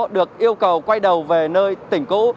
được yêu cầu quay đầu về nơi tỉnh cũ